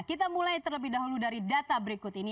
kita mulai terlebih dahulu dari data berikut ini